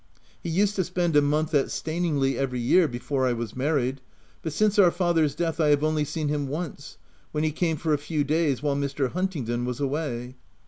He used to spend a month at Staningley every year, before I was married ; but, since our father's death, I have only seen him once, when he came for a few days while Mr. Huntingdon was away.